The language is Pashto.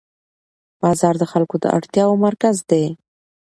بازار د خلکو د اړتیاوو مرکز دی